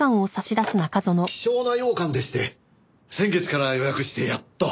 希少な羊羹でして先月から予約してやっと。